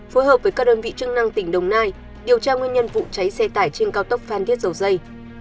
phối hợp với các đơn vị chức năng tỉnh đồng nai điều tra nguyên nhân vụ cháy xe tải trên cao tốc phan thiết dầu dây